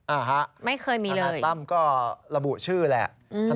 อ่าฮะคณะตั้มก็ระบุชื่อแหละไม่เคยมีเลย